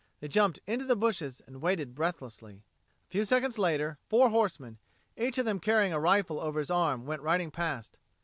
They jumped into the bushes and waited breathlessly. A few seconds later, four horsemen, each of them carrying a rifle over his arm, went riding past.